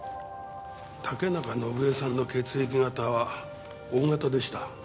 竹中伸枝さんの血液型はＯ型でした。